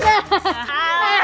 gak ada yang beres